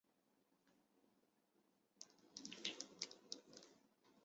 困难与挑战是激发我们的原动力